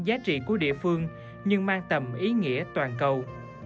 giá trị của địa phương nhưng mang tầm ý nghĩa toàn cầu